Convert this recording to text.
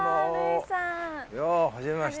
いやはじめまして。